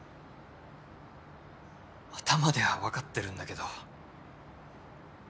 頭では分かってるんだけど。